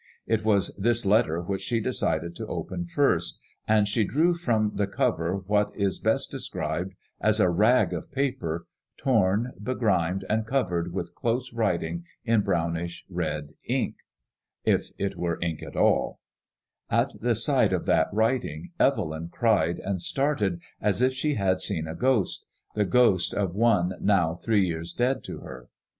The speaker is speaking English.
It was this letter which she decided to open first, and she drew from the cover what is best described as a rag of paper, torn, begrimed, and covered with close writing in brownish red ink — ^if it were ink at all I At the f l84 MADSMOISKLLB IXK. sight of that writing Evelyn cried and started as if she had seen a ghost — ^the ghost of one now three years dead to her.